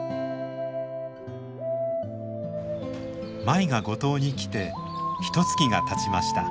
舞が五島に来てひとつきがたちました。